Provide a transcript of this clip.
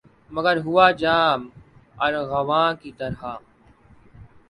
پر ہوا جام ارغواں کی طرح